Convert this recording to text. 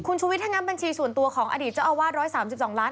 ชุวิตถ้างั้นบัญชีส่วนตัวของอดีตเจ้าอาวาส๑๓๒ล้าน